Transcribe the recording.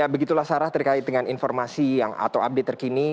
begitulah sarah terkait dengan informasi atau update terkini